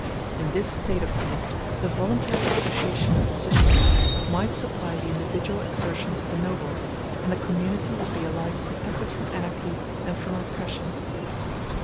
In this state of things the voluntary association of the citizens might supply the individual exertions of the nobles, and the community would be alike protected from anarchy and from oppression.